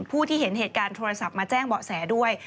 ผู้ที่เห็นเหตุการณ์โทรศัพท์มาแจ้งเบาะแสด้วย